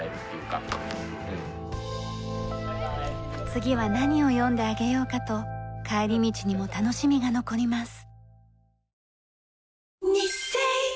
次は何を読んであげようかと帰り道にも楽しみが残ります。